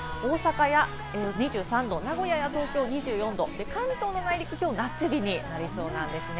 大阪２３度、名古屋・東京２４度、関東の内陸は今日夏日になりそうなんですね。